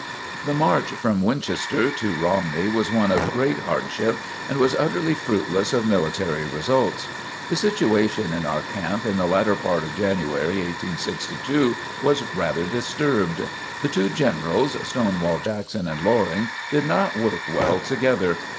The march from Winchester to Romney was one of great hardship and was utterly fruitless of military results. The situation in our camp in the latter part of January 1862, was rather disturbed. The two Generals, Stonewall Jackson and Loring, did not work well together.